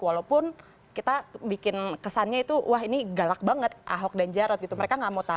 walaupun kita bikin kesannya itu wah ini galak banget ahok dan jarot gitu mereka nggak mau tahu